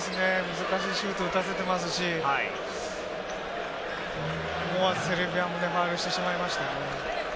難しいシュートを打たせてますし、セルビアもね、ファウルしてしまいましたね。